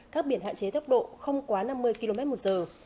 các biển hạn chế tốc độ không quá năm mươi km một giờ